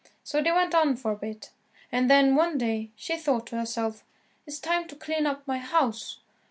So they went on for a bit, and then, one day, she thought to herself, "'T is time to clean up my house."